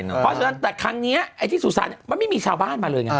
เพราะฉะนั้นแต่ครั้งนี้ไอ้ที่สุสานมันไม่มีชาวบ้านมาเลยไง